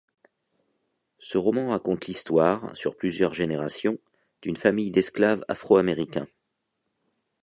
Ce roman raconte l'histoire, sur plusieurs générations, d'une famille d'esclaves afro-américains.